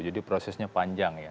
jadi prosesnya panjang ya